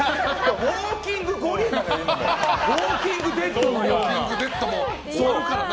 ウォーキングゴリエなの「ウォーキングデッド」のような。